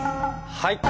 はい！